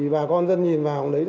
bà con dân nhìn vào